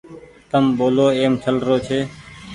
تم ٻولو ايم ڇلرو ڇي